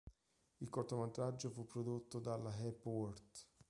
Il cortometraggio fu prodotto dalla Hepworth.